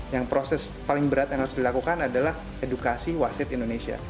yang proses paling berat yang harus dilakukan adalah edukasi wasit indonesia